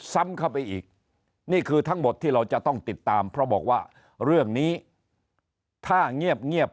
ซ้ำเข้าไปอีกนี่คือทั้งหมดที่เราจะต้องติดตามเพราะบอกว่าเรื่องนี้ถ้าเงียบ